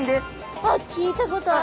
あ聞いたことある。